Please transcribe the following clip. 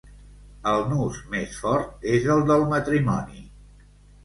El nus més fort és el del matrimoni.